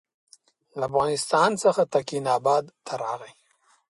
له افغانستان څخه تکیناباد ته راغی.